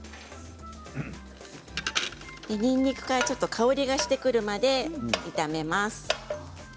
にんにくから香りがしてくるまで炒めます。